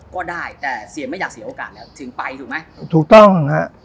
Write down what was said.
ก็ได้แต่เสียไม่อยากเสียโอกาสแล้วถึงไปถูกไหมถูกต้องฮะ